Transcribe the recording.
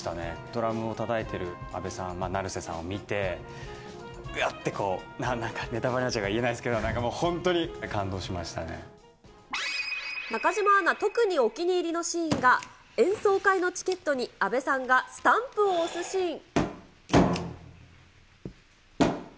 ドラムをたたいてる阿部さんの成瀬さんを見て、ぐわって、なんか、ネタばれになっちゃうから言えないですけど、なんかもう本当に感中島アナ、特にお気に入りのシーンが、演奏会のチケットに阿部さんがスタンプを押すシーン。